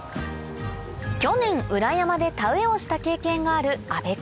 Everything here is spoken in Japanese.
去年裏山で田植えをした経験がある阿部君